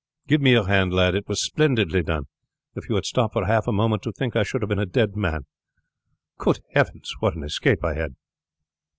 Give me your hand, lad. It was splendidly done. If you had stopped for half a moment to think I should have been a dead man. Good heavens! what an escape I had."